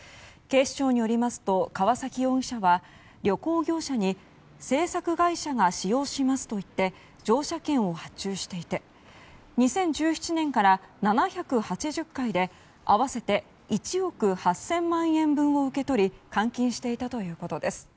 警視庁によりますと川崎容疑者は旅行業者に制作会社が使用しますと言って乗車券を発注していて２０１７年から７８０回で合わせて１億８０００万円分を受け取り換金していたということです。